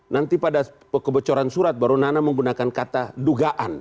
nanti pada kebocoran surat baru nana menggunakan kata dugaan